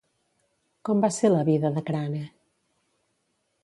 Com va ser la vida de Crane?